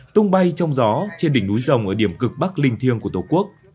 tung bay trong gió trên đỉnh núi rồng ở điểm cực bắc linh thiêng của tổ quốc